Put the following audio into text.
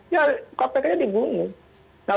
ya kpk nya dibunuh